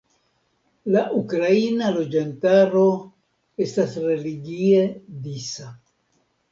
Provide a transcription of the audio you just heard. La ukraina loĝantaro estas religie disa.